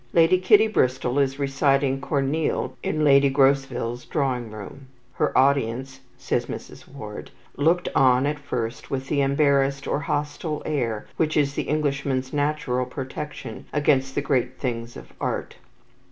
Lady Kitty Bristol is reciting Corneille in Lady Grosville's drawing room. "Her audience," says Mrs. Ward, "looked on at first with the embarrassed or hostile air which is the Englishman's natural protection against the great things of art."